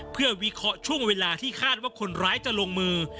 เพื่อวิเคราะห์ช่วงเวลาที่คาดว่าคนร้ายจะลงมือ